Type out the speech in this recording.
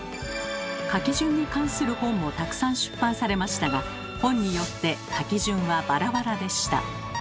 書き順に関する本もたくさん出版されましたが本によって書き順はバラバラでした。